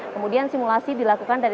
kemudian simulasi dilakukan dari